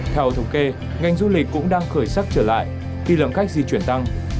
theo thống kê ngành du lịch cũng đang khởi sắc trở lại khi lượng khách di chuyển tăng